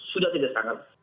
sudah tidak sangat